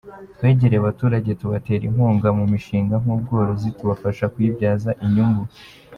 Twegereye abaturage tubatera inkunga mu mishinga nk’ubworozi tubafasha kuyibyaza inyungu.